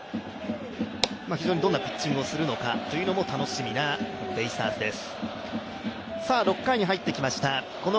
非常にどんなピッチングをするのかというのが楽しみなベイスターズです。